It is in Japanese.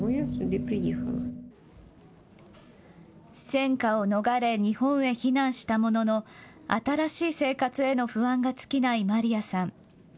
戦火を逃れ、日本へ避難したものの、新しい生活への不安が尽きないマリヤさん。